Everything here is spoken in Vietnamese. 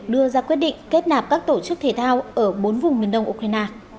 đưa ra quyết định kết nạp các tổ chức thể thao ở bốn vùng miền đông ukraine